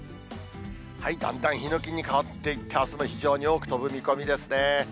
だんだんヒノキに変わっていって、あすも非常に多く飛ぶ見込みですね。